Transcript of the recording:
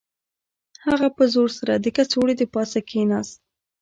هغه په زور سره د کڅوړې د پاسه کښیناست